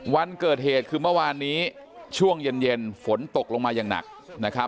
วันเกิดเหตุคือเมื่อวานนี้ช่วงเย็นฝนตกลงมาอย่างหนักนะครับ